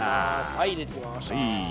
はい入れていきました。